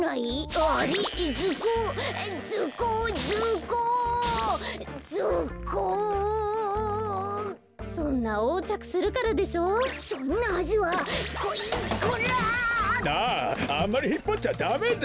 あんまりひっぱっちゃダメだ！